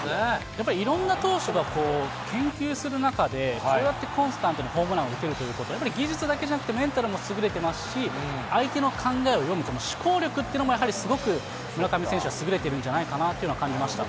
やっぱりいろんな投手が研究する中で、こうやってコンスタントにホームランを打てるということは、やっぱり技術だけじゃなくて、メンタルも優れてますし、相手の考えを読むこの思考力というのもやはりすごく村上選手は優れているんじゃないかなというのは感じました。